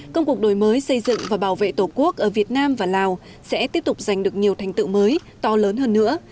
công cuộc đổi mới xây dựng và bảo vệ tổ quốc ở việt nam và lào sẽ tiếp tục giành được nhiều thành tựu mới to lớn hơn nữa